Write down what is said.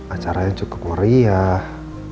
acaranya cukup meriah